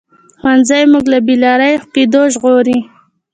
ښوونځی موږ له بې لارې کېدو ژغوري